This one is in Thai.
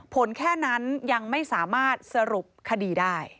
แค่นั้นยังไม่สามารถสรุปคดีได้